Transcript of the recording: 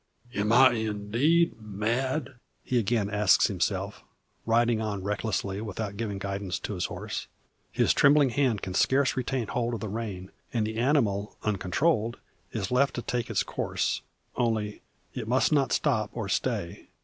"Am I indeed mad?" he again asks himself, riding on recklessly, without giving guidance to his horse. His trembling hand can scarce retain hold of the rein; and the animal, uncontrolled, is left to take its course only, it must not stop or stay.